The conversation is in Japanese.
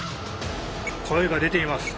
声が出ています。